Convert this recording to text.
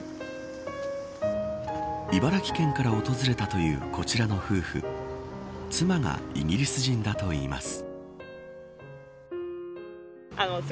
茨城県から訪れたというこちらの夫婦妻がイギリス人だといいます。